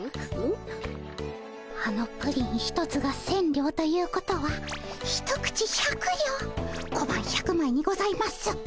あのプリン一つが千両ということは一口百両小判１００まいにございます。